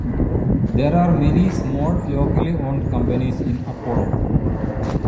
There are many small locally owned companies in Apollo.